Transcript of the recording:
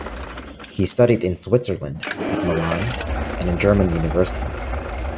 He studied in Switzerland, at Milan, and in German universities.